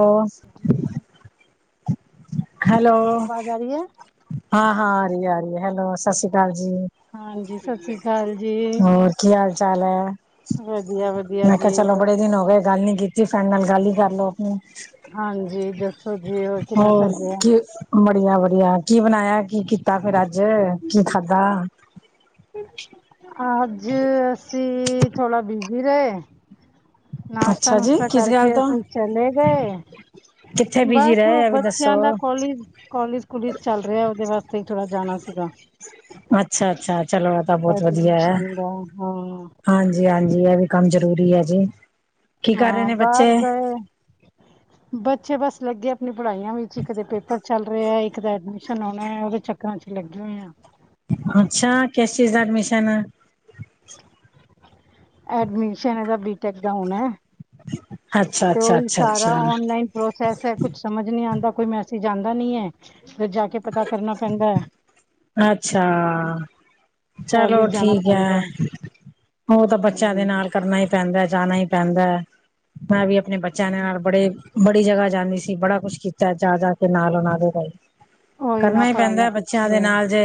ਹੋਰ ਜੀ। ਹੈਲੋ ਆਵਾਜ਼ ਆ ਰਹੀ ਹੈ? ਹਾਂ ਹਾਂ ਆ ਰਹੀ ਆ ਰਹੀ ਹੈਲੋ ਸਤਿ ਸ਼੍ਰੀ ਅਕਾਲ ਜੀ ਹਾਂਜੀ ਸਤਿ ਸ਼੍ਰੀ ਅਕਾਲ ਜੀ ਹੋਰ ਕੀ ਹਾਲ ਚਾਲ ਹੈ? ਵਧੀਆ ਵਧੀਆ ਮੈਂ ਕਿਹਾ ਜੀ ਚਲੋ ਬੜੇ ਦਿਨ ਹੋ ਗਏ ਗੱਲ ਨੀ ਕੀਤੀ ਸਾਡੇ ਨਾਲ ਗੱਲ ਹੀ ਕਰ ਲਓ ਹੁਣ ਹਾਂਜੀ ਦੱਸੋ ਜੀ ਹੋਰ ਕਿੱਦਾਂ ਚੱਲ ਰਿਹਾ ਵਧੀਆ ਵਧੀਆ ਕੀ ਬਣਾਇਆ ਕੀ ਕੀਤਾ ਫਿਰ ਅੱਜ ਕੀ ਖਾਧਾ ਅੱਜ ਅਸੀਂ ਥੋੜਾ ਬਿਜੀ ਰਹੇ ਨਾਸ਼ਤਾ ਅੱਛਾ ਜੀ ਨੁਸ਼ਤਾ ਕਿਸ ਗੱਲ ਕਰਕੇ ਤੋਂ ਅਸੀਂ ਚਲੇ ਗਏ ਕਿੱਥੇ ਬਿਜੀ ਬਸ ਉਹ ਰਹੇ ਇਹ ਵੀ ਬੱਚਿਆਂ ਦੱਸੋ? ਦਾ ਕੋਾਲਜ ਕੋਾਲਜ ਕੁਲੇਿਜ ਚੱਲ ਰਿਹਾ ਉਹਦੇ ਵਾਸਤੇ ਥੋੜਾ ਜਾਣਾ ਸੀਗਾ ਅੱਛਾ ਅੱਛਾ ਚਲੋ ਤਾਂ ਬਹੁਤ ਵਧੀਆ ਹੈ ਐਡਮਿਸ਼ਨ ਦਾ ਹਾਂ ਹਾਂਜੀ ਜੀ ਹਾਂਜੀ ਇਹ ਵੀ ਕੰਮ ਜਰੂਰੀ ਹੈ ਜੀ ਕੀ ਕਰ ਰਹੇ ਹਾਂ ਨੇ ਬਾਹਰ ਬੱਚੇ ਗਏ ਬੱਚੇ ਬਸ ਲੱਗੇ ਆਪਣੀ ਪੜ੍ਹਾਈਆਂ ਵਿੱਚ ਇੱਕ ਦੇ ਪੇਪਰ ਚੱਲ ਰਿਹਾ ਇੱਕ ਐਡ ਮਿਸ਼ਨ ਹੁਣ ਉਹਦੇ ਚੱਕਰਾਂ ਚ ਲੱਗੇ ਹੋਏ ਆ ਅੱਛਾ ਕਿਸ ਚੀਜ਼ ਦਾ ਐਡਮਿਸ਼ਨ ਹੈ ਐਡਮਿਸ਼ਨ ਇਹਦਾ ਬੀਟੈਕ ਦਾ ਹੋਣਾ ਹੈ ਅੱਛਾ ਤੇ ਔ ਅੱਛਾ ਹੀ ਅੱਛਾ ਸਾਰਾ ਅੱਛਾ ਔਨਲਾਈਨ ਪ੍ਰੋਸੈਸ ਹੈ, ਕੁਛ ਸਮਝ ਨੀ ਆਉਂਦਾ, ਕੋਈ ਮੈਸੇਜ ਆਉਂਦਾ ਨੀ ਹੈ। ਫੇਰ ਜਾ ਕੇ ਪਤਾ ਕਰਨਾ ਪੈਂਦਾ ਹੈ। ਅੱਛਾ ਚਲੋ ਕਾਲਜ ਜਾਣਾ ਠੀਕ ਪੈਂਦਾ ਹੈ, ਉਹ ਤਾਂ ਬੱਚਿਆਂ ਦੇ ਹਮ, ਨਾਲ ਕਰਨਾ ਹੀ ਪੈਂਦਾ ਜਾਣਾ ਹੀ ਪੈਂਦਾ, ਮੈਂ ਵੀ ਆਪਣੇ ਬੱਚਿਆਂ ਦੇ ਨਾਲ ਬੜੇ ਬੜੀ ਜਗ੍ਹਾ ਜਾਂਦੀ ਸੀ ਬੜਾ ਕੁਛ ਕੀਤਾ ਜਾ ਜਾ ਕੇ ਨਾਲ ਉਹਨਾਂ ਦੇ ਉਹੀ ਨਾ ਕਰਨਾ ਹੀ ਪੈਂਦਾ ਪੜ੍ਹਾਈਆਂ ਬੱਚਿਆਂ ਪਿੱਛੇ ਦੇ ਹੈ। ਨਾਲ ਜੇ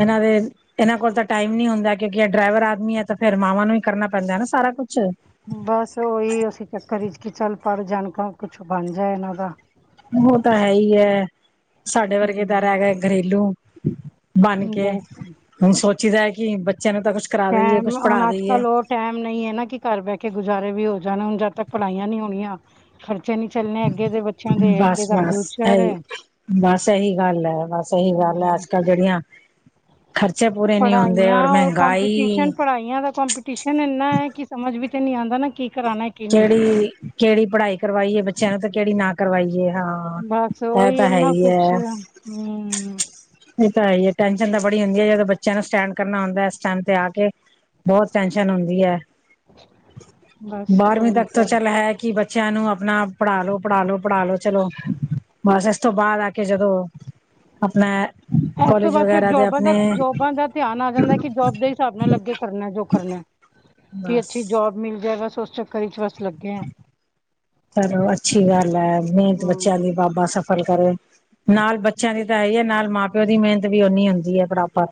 ਇਹਨਾਂ ਦੇ ਇਹਨਾਂ ਕੋਲ ਤਾਂ ਟਾਈਮ ਨੀ ਹੁੰਦਾ ਕਿਉਂਕਿ ਡਰਾਈਵਰ ਆਦਮੀ ਹੈ ਤਾਂ ਫਿਰ ਮਵਾਂ ਨੂੰ ਵੀ ਕਰਨਾ ਪੈਂਦਾ ਸਾਰਾ ਕੁਛ ਬਸ ਉਹੀ ਅਸੀਂ ਚੱਕਰ ਵਿਚ ਕਿ ਚੱਲ ਪੜ ਜਾਣ ਕੁਛ ਬਣ ਜਾ ਇਹਨਾਂ ਦਾ ਉਹ ਤਾਂ ਹੈ ਹੀ ਹੈ ਸਾਡੇ ਵਰਗੇ ਤਾਂ ਹਮ, ਰਹਿ ਗਏ ਘਰੇਲੂ ਬਣ ਕੇ ਬਸ ਹੁਣ ਸੋਚੀਦਾ ਹੈ ਕਿ ਬੱਚਿਆਂ ਨੂੰ ਤਾਂ ਕੁਛ ਕਰਾ ਦੇਈਏ ਟਾਈਮ ਕੁਛ ਹੁਣ ਪੜ੍ਹਾ ਅੱਜ ਦੇਈਏ ਕੱਲ ਉਹ ਟਾਈਮ ਨਹੀਂ ਹੈ ਨਾ ਕਿ ਘਰ ਬਹਿ ਕੇ ਗੁਜ਼ਾਰੇ ਵੀ ਹੋ ਜਾਣ ਹੁਣ ਜਦ ਤੱਕ ਪੜਲਾਈਆਂ ਨਹੀਂ ਹੋਣੀਆਂ ਖਰਚੇ ਨੀ ਚੱਲਣੇ ਅੱਗੇ ਦੇ ਬੱਚਿਆਂ ਦੇ ਬਸ ਅੱਗੇ ਦਾ ਬਸ ਫਿਊਚਰ ਇਹੀ ਹੈ ਬਸ ਇਹੀ ਗੱਲ ਹੈ ਬਸ ਇਹੀ ਗੱਲ ਹਮ, ਹੈ ਅੱਜ ਕੱਲ ਜਿਹੜੀਆਂ ਖਰਚੇ ਪੂਰੇ ਨਹੀਂ ਹੁੰਦੇ, ਔਰ ਮਹਿੰਗਾਈ। ਪੜਾਈਆਂ ਦਾ ਚਪ ਟਿਊਸ਼ਨ ਇੰਨਾ ਹੈ ਕਿ ਸਮਝ ਵੀ ਤੇ ਨੀ ਆਉਂਦਾ ਨਾ ਕੀ ਕਰਾਉਣਾ ਐ। ਕਿਹੜੀ ਕਿਹੜੀ ਪੜ੍ਹਾਈ ਕਰਵਾਈਏ ਬੱਚਿਆਂ ਨੂੰ, ਤੇ ਕਿਹੜੀ ਨਾ ਕਰਵਾਈਏ ਹਾਂ। ਬਸ ਔ ਇਹ ਹੀ, ਤਾਂ ਹੈ ਇੰਨਾ ਹੈ ਕੁਛ, ਹੂ ਇਹ ਤਾਂ ਹੈ ਹੀ ਹੈ ਟੈਨਸ਼ਨ ਤੇ ਬੜੀ ਹੁੰਦੀ ਹੈ, ਜਦੋਂ ਬੱਚਿਆਂ ਨੂੰ ਸਟੈਂਡ ਕਰਨਾ ਹੁੰਦਾ ਐ, ਇਸ ਸਟੈਂਡ ਤੇ ਆ ਕੇ। ਬਹੁਤ ਟੈਨਸ਼ਨ ਹੁੰਦੀ ਹੈ। [unintelligible] ਬਾਰਵੀਂ ਉਹੀ ਤੱਕ ਤੋਂ ਸਭ ਚੱਲ ਹੈ ਕਿ ਬੱਚਿਆਂ ਨੂੰ ਆਪਣਾ ਪੜ੍ਹਾ ਲੋ, ਪੜ੍ਹਾ ਲੋ, ਪੜ੍ਹਾ ਲੋ, ਚਲੋ ਬਸ ਇਸ ਤੋਂ ਬਾਅਦ ਆ ਕੇ ਜਦੋਂ, ਆਪਣਾ ਐ ਇਸ ਤੋਂ ਬਾਅਦ ਫਿਰ ਜੋਬਾਂ ਦਾ ਜੋਬਾਂ ਦਾ ਧਿਆਨ ਆ ਜਾਂਦਾ, ਕਿ ਜੋਬ ਦੇ ਹਿਸਾਬ ਨਾਲ ਅਗੇ ਕਰਨਾ ਜੋ ਕਰਨਾ, ਕਿ ਅੱਛੀ ਬਸ ਜੋਬ ਮਿਲ ਜਾਏ, ਬਸ ਉਸ ਚੱਕਰ ਵਿਚ ਚ ਬਸ ਲੱ ਚਲੋ ਅੱਛੀ ਗੱਲ ਹੈ, ਮਿਹਨਤ ਬੱਚਿਆਂ ਹਮ ਦੀ, ਬਾਬਾ ਸਭ ਗਲ ਕਰੇ, ਨਾਲ ਬੱਚਿਆਂ ਦੀ ਤਾਂ ਹੀ ਹੈ, ਨਾਲ ਮਾਂ ਪਿਓ ਦੀ ਮਿਹਨਤ ਵੀ ਓਨੀ ਹੁੰਦੀ ਹੈ ਬਰਾਬਰ।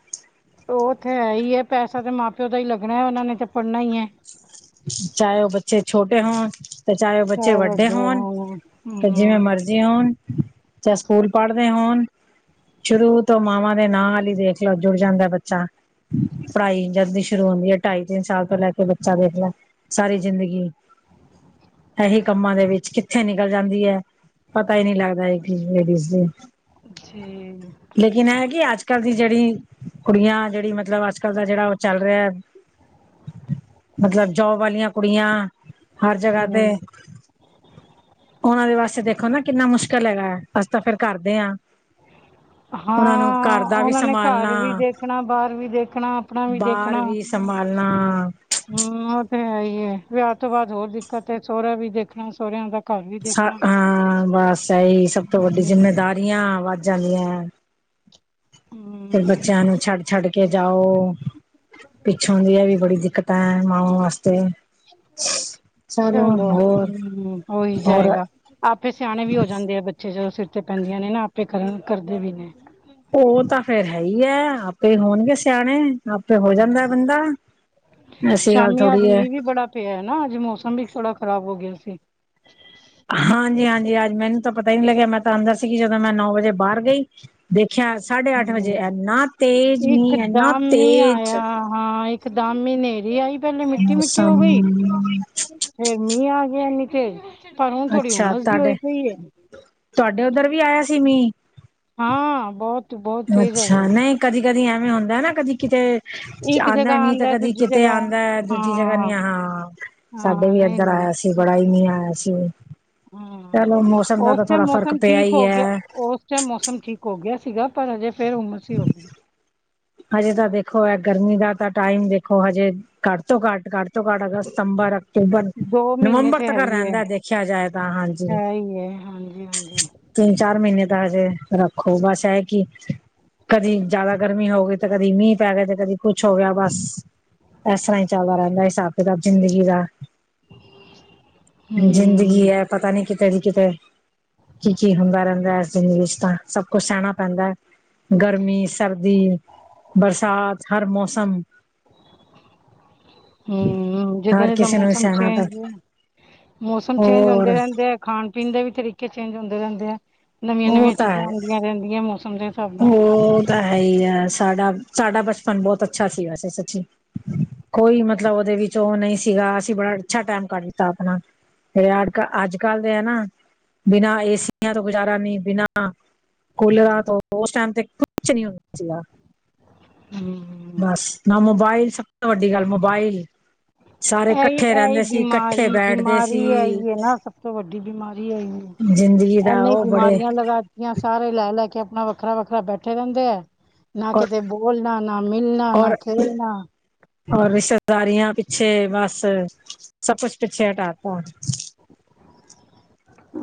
ਔ ਤੇ ਹੈ ਹੀ ਹੈ, ਪੈਸਾ ਤਾਂ ਮਾਂ ਪਿਓ ਦਾ ਹੀ ਲੱਗਣਾ ਹੈ, ਉਹਨਾ ਨੇ ਤਾਂ ਪੜ੍ਹਨਾ ਹੀ ਹੈ। ਚਾਹੇ ਉਹ ਬੱਚੇ ਛੋਟੇ ਹੋਣ, ਤੇ ਚਾਹੇ ਉਹ ਬੱਚੇ ਵੱਡੇ ਹੋਣ ਤੇ ਹੂ ਜਿਵੇਂ ਮਰਜ਼ੀ ਹੋਣ, ਚਾਹੇ ਸਕੂਲ ਪੜ੍ਹਦੇ ਹੋਣ। ਸ਼ੁਰੂ ਤੋਂ ਮਾਵਾਂ ਦੇ ਨਾਲ ਹੀ ਦੇਖ ਲੋ, ਜੁੜ ਜਾਂਦਾ ਐ ਬੱਚਾ। ਪੜ੍ਹਾਈ ਜਦ ਦੀ ਸ਼ੁਰੂ ਹੁੰਦੀ ਹੈ, ਢਾਈ ਤਿੰਨ ਸਾਲ ਤੋਂ ਲੈ ਕੇ ਬੱਚਾ ਦੇਖ ਲੈ। ਸਾਰੀ ਜ਼ਿੰਦਗੀ ਏਹੀ ਕੰਮਾਂ ਦੇ ਵਿੱਚ ਕਿੱਥੇ ਨਿਕਲ ਜਾਂਦੀ ਹੈ। ਪਤਾ ਹੀ ਨਹੀਂ ਲੱਗਦਾ, ਲੇਡੀਜ਼ ਲੇਡੀਜ਼ ਦੇ ਠੀਕ ਲੇਕਿਨ ਇਹ ਕਿ ਅੱਜ ਕਲ ਦੀ ਜਿਹੜੀ ਕੁੜੀਆਂ, ਜਿਹੜੀ ਮਤਲਬ ਅੱਜ ਕਲ ਦਾ ਜਿਹੜਾ ਉਹ ਚੱਲ ਰਿਹਾ ਹੈ ਮਤਲਬ ਜੋਬ ਵਾਲੀਆਂ ਕੁੜੀਆਂ, ਹਰ ਜਗ੍ਹਾ ਤੇ ਹਮ [unintelligible] ਉਹਨਾਂ ਦੇ ਵਾਸਤੇ ਦੇਖੋ ਨਾ ਕਿੰਨਾ ਮੁਸ਼ਕਿਲ ਹੈਗਾ ਐ, ਅਸੀ ਤਾਂ ਫੇਰ ਕਰਦੇ ਆਂ। ਉਹਨਾਂ ਨੂੰ ਘਰ ਹਾਂ ਦਾ ਵੀ ਉਹਨਾਂ ਨੇ ਸੰਭਾਲਣਾ, ਘਰ ਵੀ ਦੇਖਣਾ ਬਾਹਰ ਵੀ ਦੇਖਣਾ ਆਪਣਾ ਵੀ ਬਾਹਰ ਵੀ ਸੰਭਾਲਣਾ ਹੂੰ, ਉਹ ਤੇ ਹੈ ਹੀ ਐ, ਵਿਆਹ ਤੋਂ ਬਾਅਦ ਹੋਰ ਦਿੱਕਤ ਐ, ਸੋਹਰਿਆਂ ਵੀ ਦੇਖਣਾ ਸੋਹੁਰਿਆਂ ਦਾ ਘਰ ਵੀ ਦੇਖਣਾ ਹਾਂ, ਬਸ ਇਹੀ ਸਭ ਤੋਂ ਵੱਡੀ ਹਮ, ਜਿੰਮੇਦਾਰੀਆ ਵੱਧ ਜਾਦੀਆਂ। ਫਿਰ ਹਮ, ਬੱਚਿਆਂ ਨੂੰ ਛੱਡ-ਛੱਡ ਕੇ ਜਾਓ, ਪਿੱਛੋਂ ਦੀ ਐ ਵੀ ਬੜੀ ਦਿੱਕਤ। ਹੈ, ਮਾਵਾ ਵਾਸਤੇ, ਹ [unintelligible] ਚਲੋ ਹੂੰ ਉਹੀ ਹੋਰ ਜਾਏਗਾ, ਆਪੇ ਸਿਆਣੇ ਵੀ ਹੋ ਜਾਂਦੇ ਆ, ਬ ਜਦੋਂ ਸਿਰ ਤੇ ਪੈਂਦੀਆਂ ਨੇ ਨਾ, ਆਪੇ ਕਰਨ ਕਰਦੇ ਵੀ ਨੇ। ਉਹ ਤਾਂ ਫੇਰ ਹੈ ਹੀ ਹੈ, ਆਪੇ ਹੋਣਗੇ ਸਿਆਣੇ। ਆਪੇ ਹੋ ਜਾਂਦਾ ਹਮ, ਬੰਦਾ ਐਸੀ ਗੱਲ ਸ਼ਾਮੀ ਅੱਜ ਥੋੜੀ ਹੈ। ਮੀਂਹ ਵੀ ਬੜਾ ਪਿਆ ਨਾ ਅੱਜ ਮੌਸਮ ਵੀ ਥੋੜਾ ਖ਼ਰਾਬ ਹੋ ਗਿਆ ਸੀ। ਹਾਂਜੀ-ਹਾਂਜੀ, ਅੱਜ ਮੈਨੂੰ ਤਾਂ ਪਤਾ ਹੀ ਨੀ ਲੱਗਿਆ, ਮੈਂ ਤਾਂ ਅੰਦਰ ਸੀਗੀ, ਜਦੋਂ ਮੈਂ ਨੌ ਵਜੇ ਬਾਹਰ ਗਈ। ਦੇਖਿਆ ਸਾਢੇ ਅੱਠ ਵਜੇ ਹਮ, ਇਨਾ ਤੇਜ਼ ਮੀਂਹ, ਇੰਨਾ ਇੱਕਦਮ ਹੀ ਤੇਜ਼ ਆਇਆ ਹਾਂ ਇਕ ਦਮ ਹੀ ਹਨੇਰੀ ਆਈ, ਪਹਿਲੇ ਮਿੱਟੀ ਮਿੱਟੀ ਹੋ ਮੌਸਮ ਗਈ। ਫੇਰ ਮੀਂਹ ਆ ਗਿਆ ਇਨੀ ਤੇਜ਼, ਪਰ ਹੁਣ ਥੋੜੀ ਅੱਛਾ ਹੁਮਸ ਜੀ ਤੁਹਾਡੇ ਹੋਈ ਪਈ ਏ। ਤੁਹਾਡੇ ਉੱਧਰ ਵੀ ਆਇਆ ਸੀ ਮੀਹ। ਹਾਂ ਬਹੁਤ ਬਹੁਤ ਤੇਜ਼ ਅੱਛਾ ਆਇਆ ਨਹੀਂ, ਕਦੀ ਕਦੀ ਐਵੇਂ ਹੁੰਦਾ ਨਾ, ਕਦੀ ਕਿਤੇ ਇੱਕ ਆਂਦਾ ਜਗ੍ਹਾ ਮੀਂਹ ਤਾਂ ਆਉਂਦਾ ਕਦੀ ਦੂਜੀ ਕਿਤੇ ਜਗ੍ਹਾ ਆਦਾਂ, ਦੂਜੀ ਜਗ੍ਹਾ ਹਾਂ ਨੀ ਆ ਹਾਂ, ਸਾਡੇ ਹਾਂ ਵੀ ਨਹੀਂ ਇੱਧਰ ਨਹੀਂ ਆਇਆ ਸੀ। ਬੜਾ ਹੀ ਮੀਂਹ ਆਇਆ ਸੀ, ਹਾਂ ਚਲੋ ਮੌਸਮ ਦਾ ਤਾਂ ਥੋੜਾ ਫ਼ਰਕ ਪਿਆ ਹੀ ਹੈ। ਚਾਹੇ ਮੌਸਮ ਠੀਕ ਹੋ ਗਿਆ ਸੀਗਾ, ਪਰ ਹਜੇ ਫੇਰ ਹੁੰਮਸ ਹੋ ਗਈ। ਹਜੇ ਤਾਂ ਦੇਖੋ, ਇਹ ਗਰਮੀ ਦਾ ਤਾਂ ਟਾਈਮ ਦੇਖੋ ਹਜੇ ਘੱਟ ਤੋਂ ਘੱਟ-ਘੱਟ ਤੋਂ ਘੱਟ ਅਗਸਤ ਸਤੰਬਰ। ਅਕਤੂਬਰ ਦੋ ਮਹੀਨੇ ਨਵੰਬਰ ਤੇ ਤੱਕ ਹੈ ਹੀ ਹੈ ਰਹਿੰਦਾ ਦੇਖਿਆ, ਜਾਏ ਤਾਂ ਹਾਂਜੀ। ਹੈ ਹੀ ਹੈ ਹਾਂਜੀ ਹਾਂਜੀ ਤਿੰਨ ਚਾਰ ਮਹੀਨੇ ਤਾਂ ਹਜੇ ਰੱਖੋ, ਬਸ ਇਹ ਕਿ ਕਦੀ ਜਿਆਦਾ ਗਰਮੀ ਹੋਵੇ। ਤੇ ਕਦੀ ਮੀਂਹ ਪੈ ਗਿਆ ਏ, ਤੇ ਕਦੀ ਕੁੱਛ ਹੋ ਗਿਆ ਬਸ। ਇਸ ਤਰ੍ਹਾਂ ਹੀ ਚੱਲਦਾ ਰਹਿੰਦਾ, ਹਿਸਾਬ ਕਿਤਾਬ ਜ਼ਿੰਦਗੀ ਦਾ। ਜ਼ਿੰਦਗੀ ਹੂੰ ਹੈ, ਪਤਾ ਨੀ ਕਿਤੇੇ ਦੀ ਕਿਤੇ। ਕੀ-ਕੀ ਹੁੰਦਾ ਰਹਿੰਦਾ ਹੈ, ਇਸ ਜ਼ਿੰਦਗੀ ਵਿੱਚ ਤਾਂ ਸਭ ਕੁਛ ਸਹਿਣਾ ਪੈਂਦਾ ਹੈ। ਗਰਮੀ ਸਰਦੀ, ਬਰਸਾਤ ਹਰ ਮੌਸਮ। ਹੂੰ, ਜਿੱਦਾ ਦਾ ਹਰ ਜਿੱਦਾ ਕਿਸੇ ਨੂੰ ਮੌਸਮ ਸਹਿਣਾ ਪੈ ਚੇਂਜ ਹੈ। ਮੌਸਮ ਚੇਂਜ ਹੋਰ ਹੁੰਦੇ ਰਹਿੰਦੇ, ਆ ਖਾਣ ਪੀਣ ਦੇ ਵੀ ਤਰੀਕੇ ਚੇਂਜ ਹੁੰਦੇ ਰਹਿੰਦੇ ਆ। ਉਹ ਨਵੀਆਂ-ਨਵੀਆਂ ਤਾਂ ਹੈ ਚੀਜ਼ਾਂ ਆਦੀਆਂ ਰਹਿੰਦੀਆਂ, ਮੌਸਮ ਦੇ ਹਿਸਾਬ ਨਾਲ। ਉਹ ਤਾਂ ਹੈ ਹੀ ਹੈ, ਸਾਡਾ-ਸਾਡਾ ਬਚਪਨ ਬਹੁਤ ਅੱਛਾ ਸੀ ਵੈਸੇ ਸੱਚੀ। ਕੋਈ ਮਤਲਬ ਉਹਦੇ ਵਿੱਚ ਉਹ ਨਹੀਂ ਸੀਗਾ, ਅਸੀਂ ਬੜਾ ਅੱਛਾ ਟੈਮ ਕੱਟ ਦਿੱਤਾ ਆਪਣਾ। ਇਹ ਅੱਜ-ਕੱਲ ਦੇ ਹੈ, ਨਾ ਬਿਨਾਂ ਏਸੀਆਂ ਤੋਂ ਕੁਛ। ਜ਼ਾਰ ਨੀ ਬਿਨਾਂ ਕੂਲਰਾਂ ਤੋਂ ਉਸ ਟਾਈਮ ਤੇ ਕੁਛ ਨੀ ਹੁੰਦਾ, ਸੀਗਾ। ਹਮ ਬਸ ਨਾ ਮੋਬਾਇਲ ਸਭ ਤੋਂ ਵੱਡੀ ਗੱਲ ਮੋਬਾਇਲ। ਸਾਰੇ ਇਕੱਠੇ ਐਹੀ-ਐਹੀ ਰਹਿੰਦੇ ਸੀ ਇਕੱਠੇ ਬੈਠਦੇ ਬਿਮਾਰੀ-ਬਿਮਾਰੀ ਸੀ ਇਹੀ ਹੈ, ਨਾ ਸਭ ਤੋਂ ਵੱਡੀ ਬਿਮਾਰੀ ਇਹੀ ਜ਼ਿੰਦਗੀ ਹੈ। ਦਾ ਇਨੇ ਹੀ ਉਹ ਬੜੇ ਬਿਮਾਰੀਆਂ ਲਗਾਤੀਆਂ, ਸਾਰੇ ਲੈ ਲੈ ਕੇ ਆਪਣਾ ਵੱਖਰਾ-ਵੱਖਰਾ ਬੈਠੇ ਰਹਿੰਦੇ ਆ। ਨਾ ਔਰ ਕਿਤੇ ਬੋਲਣਾ ਨਾ ਮਿਲਣਾ ਨਾ ਔਰ ਖੇਲਣਾ। ਔਰ ਰਿਸ਼ਤੇਦਾਰੀਆਂ ਪਿੱਛੇ ਬਸ ਸਭ ਕੁਛ ਪਿੱਛੇ ਹਟਾਤਾ।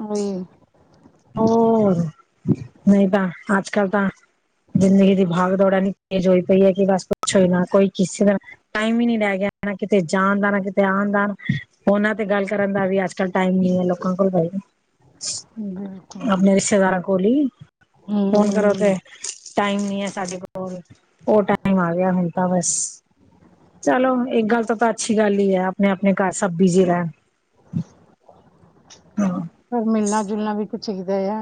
ਉਹੀ। ਹੋਰ। ਨਹੀਂ ਤਾਂ ਅੱਜ-ਕੱਲ ਤਾਂ ਜ਼ਿੰਦਗੀ ਦੀ ਭਾਗ ਦੌੜਾ ਏਨੀ ਤੇਜ ਹੋਈ ਪਈ ਹੈ ਕਿ ਬਸ। ਪੁੱਛੋ ਨਾ ਕੋਈ ਕਿਸੇ ਦਾ ਟਾਈਮ ਹੀ ਨੀ ਰਹਿ ਗਿਆ, ਨਾ ਕਿਤੇ ਜਾਣ ਦਾ ਨਾ ਕਿਤੇ ਆਉਣ ਦਾ ਨਾ। ਫੋਨਾਂ ਤੇ ਗੱਲ ਕਰਨ ਦਾ ਵੀ ਅੱਜ-ਕੱਲ ਟਾਈਮ ਨੀ ਹੈ ਲੋਕਾਂ ਕੋਲ ਬਈ। ਹ ਆਪਣੇ ਰਿਸ਼ਤੇਦਾਰਾਂ ਕੋੋਲ ਹੀ। ਹੂੰ, ਫੋਨ ਕਰੋ ਤੇ ਟਾਈਮ ਨੀ ਹੈ, ਸਾਡੇ ਕੋਲ ਉਹ ਟਾਈਮ ਆ ਗਿਆ ਹੁਣ ਤਾਂ ਬਸ। ਚਲੋ ਇੱਕ ਗੱਲ ਤਾਂ ਤਾਂ ਅੱਛੀ ਗੱਲ ਹੀ ਹੈ ਆਪਣੇ ਆਪਣੇ ਘਰ ਸਭ ਬੀਜ਼ੀ ਰਹਿਣ। ਹਾਂ ਪਰ ਮਿਲਣਾ ਜੁਲਣਾ ਵੀ ਤਾਂ ਚਾਹੀਦਾ ਆ।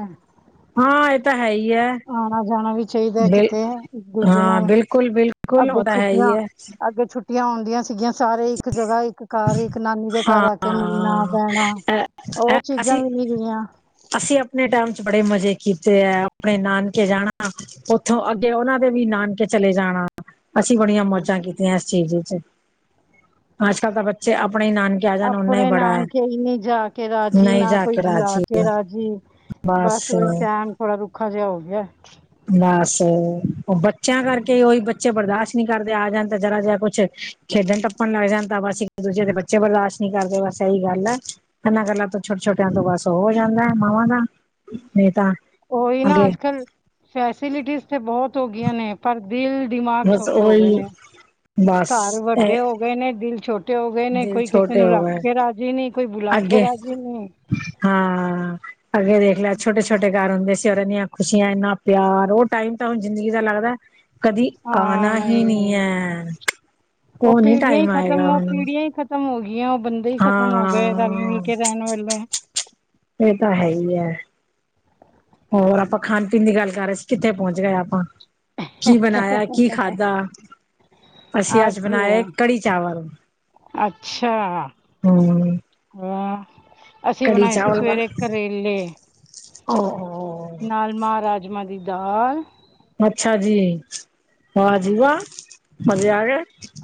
ਹਾਂ ਇਹ ਤਾਂ ਹੈ ਹੀ ਹੈ। ਆਉਣਾ ਜਾਣਾ ਵੀ ਚਾਹੀਦਾ ਬਿਲ ਕਿਤੇ ਇੱਕ ਦੂਜੇ ਹਾਂ ਨਾਲ ਬਿਲਕੁਲ ਬਿਲਕੁਲ ਅੱਗੇ ਉਹ ਤਾਂ ਹੈ ਛੁੱਟੀਆਂ ਹੀ ਹੈ ਅੱਗੇ ਛੁੱ। ਛੁਟੀਆਂ ਆਉਂਦੀਆਂ ਸੀਗੀਆਂ ਸਾਰੇ ਇੱਕ ਜਗ੍ਹਾ ਇੱਕ। ਘਰ ਇੱਕ ਨਾਨੀ ਦੇ ਘਰ ਆ ਕੇ ਮਿਲਨਾ ਹਾਂ ਬਹਿਣਾ ਅ ਉਹ ਚੀਜ਼ਾਂ ਅਸੀਂ ਵੀ ਨਹੀਂ ਰਹੀ ਆ। ਅਸੀਂ ਆਪਣੇ ਟਾਈਮ ਚ ਬੜੇ ਮਜ਼ੇ ਕੀਤੇ ਹੈ ਆਪਣੇ ਨਾਨਕੇ ਜਾਣਾ। ਉੱਥੋਂ ਅੱਗੇ, ਉਹਨਾਂ ਦੇ ਵੀ, ਨਾਨਕੇ ਚਲੇ ਜਾਣਾ। ਅਸੀਂ ਬੜੀਆਂ ਮੌਜਾਂ ਹਮ ਕੀਤੀਆਂ। ਇਸ ਚੀਜ਼ ਵਿੱਚ, ਅੱਜ ਕੱਲ ਤਾਂ ਬੱਚੇ, ਆਪਣੇ ਨਾਨ- ਆਪਣੇ ਨਾਨਕੇ ਹੀ, ਨਹੀਂ ਜਾ ਕੇ ਰਾਜੀ, ਨਹੀਂ ਨਾ ਜਾ ਕੋਈ ਕੇ ਬੁਲਾ ਰਾਜੀ ਕੇ ਰਾਜੀ। ਬਸ ਉਹੀ ਟਮ ਥੋੜਾ ਰੁੱਖਾ ਜਿਹਾ ਹੋ ਗਿਆ। ਬਸ ਉਹ ਬੱਚਿਆਂ ਕਰਕੇ ਉਹੀ ਬੱਚੇ ਬਰਦਾਸ਼ਤ। ਨੀ ਕਰਦੇ ਆ ਜਾਂਣ ਤਾਂ ਜ਼ਰਾ ਜਿਹਾ ਕੁਛ ਖੇਡਣ ਟੱਪਣ ਲੱਗ ਜਾਣ, ਤਾਂ ਬਸ ਇੱਕ ਦੂਜੇ ਦੇ ਬੱਚੇ ਬਰਦਾਸ਼ਤ ਨਹੀਂ। ਨਹੀਂ ਕਰਦੇ ਬਸ ਇਹੀ ਗੱਲ ਐ, ਇਹਨਾਂ ਗੱਲਾਂ ਤੋਂ ਛੋਟੇ ਛੋਟਿਆਂ ਤੋਂ ਬਸ ਉਹ ਹੋ ਜਾਂਦਾ ਹੈ ਮਾਵਾਂ ਦਾ। ਨਹੀਂ ਤਾਂ। ਉਹੀ ਨਾ ਅੱਗੇ ਅੱਜ ਕੱਲ ਫੈਸਿਲਿਟੀਜ਼ ਤੇ ਬਹੁਤ ਹੋ ਗਈਆਂ ਨੇ। ਪਰ ਦਿਲ ਦਿਮਾਗ ਬਸ ਛੋਟੇ ਹੋ ਗਏ ਉਹੀ ਨੇ ਬਸ ਘਰ ਇਹ ਵੱਡੇ ਹੋ ਗਏ। ਗਏ ਨੇ ਦਿਲ ਛੋਟੇ ਹੋ ਗਏ ਨੇ ਦਿਲ ਕੋਈ ਕਿਸੇ ਛੋਟੇ ਨੂੰ ਹੋ ਰੱਖ ਗਏ ਕੇ ਰਾਜੀ ਨਹੀਂ ਕੋਈ ਬੁਲਾ ਕੇ ਅੱਗੇ ਰਾਜੀ ਨਹੀਂ। ਹਾਂ। ਅੱਗੇ ਦੇਖ ਲੇ ਛੋਟੇ- ਛੋਟੇ, ਘਰ ਹੁੰਦੇ ਸੀ। ਔਰ ਇੰਨੀਆਂ ਖੁਸ਼ੀਆਂ, ਇੰਨਾ ਪਿਆਰ, ਉਹ ਟਾਈਮ ਤਾਂ, ਹੁਣ ਜ਼ਿੰਦਗੀ ਦਾ ਲੱਗਦਾ ਕਦੀ ਆਉਣਾ ਹੀ ਨਹੀਂ ਹੈ, ਉਹ ਨੀ ਟਾਈਮ ਆਏਗਾ। ਹੁਣ। ਖ਼ਤਮ ਹੋ ਗਈਆਂ। ਉਹ ਬੰਦੇ ਹੀ ਖ਼ਤਮ ਹੋ ਗਏ। ਰਲ- ਹਾਂ ਮਿਲ, ਕੇ ਰਹਿਣ ਵਾਲੇ। ਇਹ ਤਾਂ, ਹੈ ਹੀ, ਹੈ। ਹੋਰ, ਆਪਾਂ ਖਾਣ- ਪੀਣ, ਦੀ ਗੱਲ ਕਰ ਰਹੇ ਸੀ। ਕਿੱਥੇ ਪਹੁੰਚ ਗਏ ਆਪਾਂ। ਕੀ ਬਣਾਇਆ, ਕੀ ਖਾਧਾ? ਅਸੀਂ ਅੱਜ ਬਣਾਏ, ਕੜੀ ਚਾਵਲ। ਹੂੰ। ਹੂੰ। ਅਸੀਂ ਬਣਾਏ ਸੀ, ਬਣ ਸਵੇਰੇ ਕਰੇਲੇ, ਓ ਨਾਲ ਮਹਾ, ਰਾਜ- ਰਾਜਮਾਂ ਦੀ ਦਾਲ। ਅੱਛਾ ਜੀ। ਵਾਹ ਜੀ ਹਾਂ, ਵਾਹ, ਮਜੇ ਆ ਗਣੇ।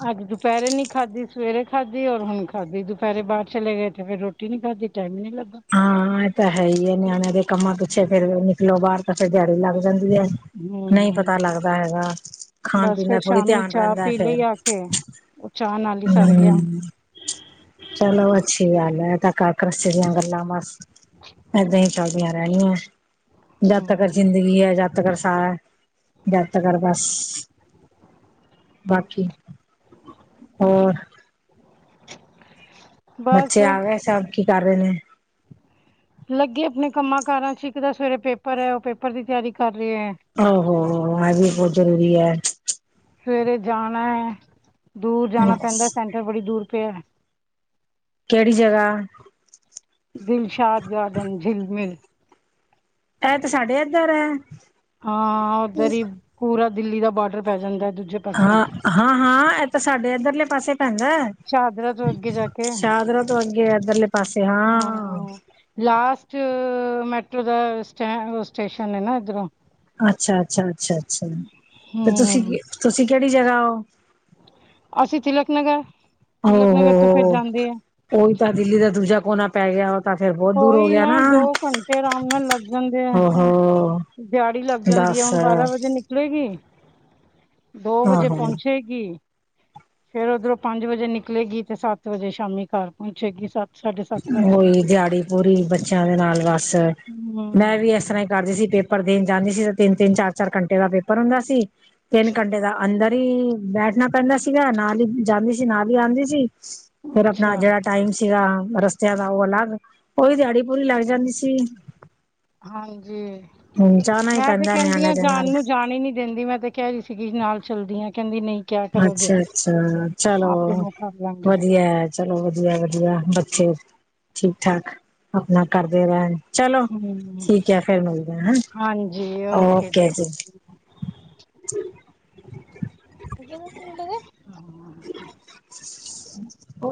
ਅੱਜ ਦੁਪਹਿਰੇ ਨੀ ਖਾਧੀ, ਸਵੇਰੇ ਖਾਧੀ, ਔਰ ਹੁਣ ਖਾਧੀ, ਦੁਪਹਿਰੇ ਬਾਹਰ ਚਲੇ ਗਏ। ਤੇ ਫੇਰ ਰੋਟੀ। ਰੋਟੀ ਨੀ ਖਾਦੀ, ਟਾਈਮ ਨੀ ਲੱਗਾ। ਹਾਂ, ਇਹ ਤਾਂ, ਹੈ, ਹੀ ਹੈ। ਨਿਆਣਿਆਂ ਦੇ ਕੰਮਾਂ ਪਿੱਛੇ ਫੇਰ, ਨਿਕਲੋ ਬਾਹਰ, ਤਾਂ ਫੇਰ ਦਿਹਾੜੀ ਲੱਗ ਜਾਂਦੀ ਹੈ। ਨਹੀਂ ਹੂੰ, ਪਤਾ, ਲੱਗਦਾ ਹੈਗਾ। ਖਾਣ- ਬਸ ਪੀਣ ਦਾ ਫਿਰ ਥੋੜੀ, ਸ਼ਾਮੀ ਧਿਆਨ ਚਾਹ ਰਹਿੰਦਾ ਪੀ ਫੇਰ। ਲਈ ਆ ਕੇ ਉਹ ਚਾਹ, ਨਾਲ ਹੀ ਸਰ ਗਿਆ। ਹਮ ਚਲੋ, ਅੱਛੀ ਗੱਲ ਹੈ। ਏ ਤਾਂ ਕਰ ਘਰ- ਕਰਸਤੀ ਦੀਆਂ ਗੱਲਾਂ ਬਸ। ਏਦਾਂ ਹੀ, ਚੱਲਦੀਆਂ- ਰਹਿਣੀਆਂ। ਜਦ ਤੱਕ, ਹੂੰ, ਜ਼ਿੰਦਗੀ ਹੈ। ਜਦ- ਜ ਕਰ ਸਾਰਾ ਏ, ਜਦ ਤਕਰ ਬਸ। ਬਾਕੀ, ਹੋਰ? ਬਸ ਬੱਚੇ ਆ ਗਏ? ਸਭ ਕੀ ਕਰ ਰਹੇ ਨੇ। ਲੱਗੇ ਆਪਣੇ, ਕੰਮਾਂ ਕਾਰਾਂ ਚ। ਇੱਕ ਤਾਂ ਸਵੇਰੇ ਪੇਪਰ ਹੈ। ਉਹ ਪੇਪਰ ਦੀ, ਤਿਆਰੀ ਕਰ ਰਹੀ ਹੈ। ਆੋ- ਔ, ਵੋ, ਏ ਵੀ, ਬਹੁਤ ਜ਼ਰੂਰੀ ਹੈ। ਸਵੇਰੇ ਜਾਣਾ ਹੈ। ਦੂਰ ਜਾਣਾ ਪੈਂਦਾ ਏ। ਸੈਂਟਰ ਬੜੀ ਦੂਰ ਪਿਆ ਹੈ। ਕਿਹੜੀ, ਜਗਾ। ਦਿਲਸ਼ਾਦ ਗਾਰਡਨ, ਝਿਲਮਿਲ। ਇਹ ਤੇ, ਸਾਡੇ ਅਜ਼ਾਰ ਹੈ। ਹਾਂ, ਉੱਧਰ ਹੀ, ਪੂਰਾ ਦਿੱਲੀ ਦਾ ਬਾਰਡਰ, ਪੈ ਜਾਂਦਾ। ਦੂਜੇ- ਪਾਸੇ ਹਾਂ, ਹਾਂ- ਹਾਂ ਇਹ ਤਾਂ, ਸਾਡੇ ਇੱਧਰਲੇ ਪਾਸੇ ਪੈਂਦਾ ਏ। ਸ਼ਹਾਦਰਾ ਤੋਂ, ਅੱਗੇ ਜਾ ਕੇ। ਤੁਰ ਕੇ ਇਧਰਲੇ ਲੇ ਪਾਸੇ, ਹਾਂ। ਲਾਸਟ, ਮੈਟਰ੍ਰੋ ਦਾ, ਸਟ ਸਟੇਸ਼ਨ ਹੈ ਨਾ, ਇਧਰੋ। ਅੱਛਾ, ਅੱਛਾ, ਅੱਛਾ- ਅੱਛਾ, ਤੇ ਤੁਸੀਂ, ਹੂੰ ਤੁਸੀਂ ਕਿਹੜੀ ਜਗਾ ਹੋ। ਅਸੀਂ ਤਿਲਕ ਨਗਰ। ਹੋ ਤਿਲਕ ਨਗਰ ਤੋਂ, ਹੋ ਫੇਰ ਹੋ ਜਾਂਦੀ ਹੈ। ਉਹੀ ਤਾਂ ਦਿੱਲੀ ਦਾ, ਦੂਜਾ ਕੌਣਾ। ਪੈ ਗਿਆ। ਉਹ ਤਾਂ ਫੇਰ, ਬਹੁਤ ਦੂਰ ਹੋ ਕੋਈ ਗਿਆ, ਦੋ ਨਾ। ਘੰਟੇ ਆਰਾਮ ਨਾਲ ਲੱਗ ਜਾਂਦੇ ਆ ਹੋ- ਹੋੋ। ਦਿਹਾੜੀ ਲੱਗ ਜਾਂਦੀ ਹੈ। ਹੁਣ ਬਾਰਾਂ ਵਜੇ ਨਿਕ ਚਲੇਗੀ। ਦੋ ਵਜੇ ਆਹੋ ਪਹੁੰਚੇਗੀ। ਫੇਰ ਉਓਧਰੋਂ ਪੰਜ ਵਜੇ ਨਿਕਲੇਗੀ ਤੇ ਸੱਤ ਵਜੇ ਸ਼ਾਮੀ ਘਰ ਪਹੁੰਚੇਗੀ। ਸੱਤ ਸਾਢੇ ਸੱਤ ਵੱਜ ਹੋਈ। ਜਾਂਦੇ ਆ। ਦਿਹਾੜੀ ਪੂਰੀ ਬੱਚਿਆਂ ਦੇ ਨਾਲ ਬਸ। ਮੈਂ ਹੂੰ ਵੀ ਇਸ ਤਰ੍ਹਾਂ ਕਰਦੇ ਸੀ ਪੇਪਰ ਦੇਣ ਜਾਂਦੇ ਸੀ ਤੇ ਤਿੰਨ- ਤਿੰਨ, ਚਾਰ- ਚਾਰ ਘੰਟੇ ਦਾ ਪੇਪਰ ਹੁੰਦਾ ਸੀ। ਤਿੰਨ ਘੰਟੇ ਦਾ ਅੰਦਰ ਹੀ ਬੈਠਣਾ ਪੈਂਦਾ ਸੀਗਾ। ਨਾਲ ਹੀ ਜਾਂਦੀ ਸੀ ਨਾਲ ਹੀ ਆਉਂਦੀ ਸੀ। ਫੇਰ ਆਪਣਾ ਅੱਛਾ ਜਿਹੜਾ ਟਾਈਮ ਸੀਗਾ। ਰਸਤਿਆਂ ਦਾ ਉਹ ਅਲੱਗ, ਉਹੀ ਦਿਹਾੜੀ ਪੂਰੀ ਲੱਗ ਜਾਂਦੀ ਸੀ। ਹਾਂਜੀ। ਹੁਣ ਜਾਣਾ ਹੀ ਮੈਂ ਤੇ ਪੈਂਦਾ ਕਹਿੰਦੀ ਹਾ ਨਿਆਣੇ ਦੇ ਜਾਣ ਨਾਲ ਨੂੰ ਜਾਣ ਹੀ ਨੀ ਦਿੰਦੀ ਮੈਂ ਤੇ। ਕਹਿਹੀ ਸੀਗੀ ਨਾਲ ਚੱਲਦੀ ਆ ਕਹਿੰਦੀ ਨਹੀਂ। ਕਿਆ ਕਰੋਗੇ ਅੱਛਾ -ਅੱਛਾ ਚਲੋ, ਆਪੇ ਮੈਂ ਕਰ ਲਾਂਗੀ ਵਧੀਆ। ਚਲੋ ਵਧੀਆ- ਵਧੀਆ। ਬੱਚੇ ਠੀਕ- ਠਾਕ। ਆਪਣਾ ਕਰਦੇ ਰਹਿਣ ਚਲੋ। ਹਮ ਠੀਕ ਹੈ ਫੇਰ ਮਿਲ ਜਾਏ ਹੈ। ਓਕੇ ਜੀ। ਰੇ [unintelligible] ਹੋ